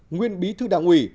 nguyên bí thư đảng ủy